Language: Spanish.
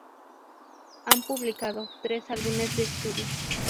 Han publicado tres álbumes de estudio.